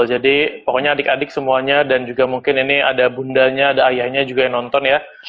jadi pokoknya adik adik semuanya dan juga mungkin ini ada bundanya ada ayahnya juga yang nonton ya